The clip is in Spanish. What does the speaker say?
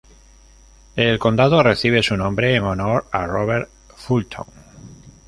El condado recibe su nombre en honor a Robert Fulton.